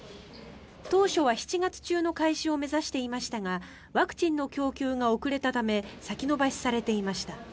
当初は７月中の開始を目指していましたがワクチンの供給が遅れたため先延ばしされていました。